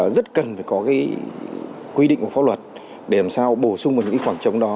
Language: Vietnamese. rất cần phải có quy định và pháp luật để làm sao bổ sung vào những khoảng trống đó